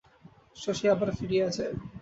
শশী আবার ফিরিয়া যায়।